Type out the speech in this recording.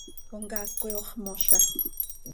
Comcaac coi ox mooza.